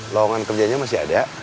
lawangan kerjanya masih ada